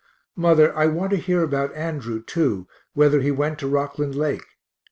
Mother, I want to hear about Andrew too, whether he went to Rockland lake.